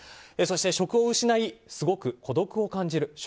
そして職を失いすごく孤独を感じる。